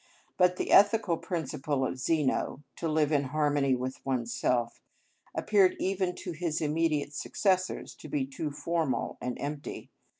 But the ethical principle of Zeno—to live in harmony with oneself—appeared even to his immediate successors to be too formal and empty.